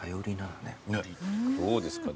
どうですか？